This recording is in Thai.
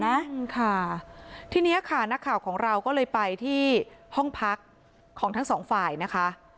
นะค่ะทีเนี้ยค่ะนักข่าวของเราก็เลยไปที่ห้องพักของทั้งสองฝ่ายนะคะ